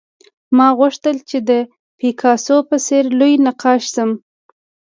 ما غوښتل چې د پیکاسو په څېر لوی نقاش شم